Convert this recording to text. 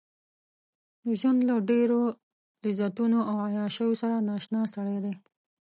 د ژوند له ډېرو لذتونو او عياشيو سره نااشنا سړی دی.